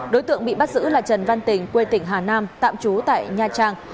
đối tượng bị bắt giữ là trần văn tình quê tỉnh hà nam tạm trú tại nha trang